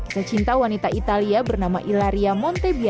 kisah cinta wanita italia bernama ilaria montebibliotek